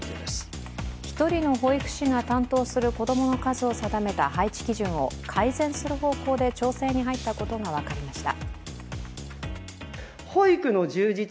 １人の保育士が担当する子供の数を定めた配置基準を改善する方向で調整に入ったことが分かりました。